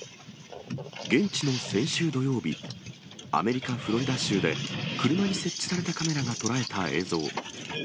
現地の先週土曜日、アメリカ・フロリダ州で車に設置されたカメラが捉えた映像。